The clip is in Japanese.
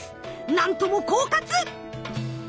なんとも狡猾！